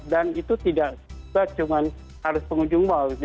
dan itu tidak cuma harus pengunjung mall